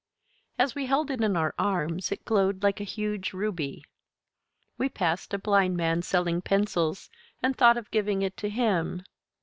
As we held it in our arms it glowed like a huge ruby. We passed a blind man selling pencils, and thought of giving it to him.